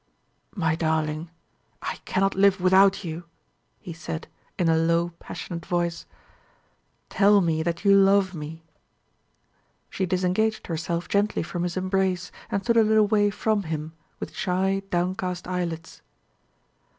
"My darling, I cannot live without you!" he said, in a low passionate voice. "Tell me that you love me." She disengaged herself gently from his embrace, and stood a little way from him, with shy, downcast eyelids.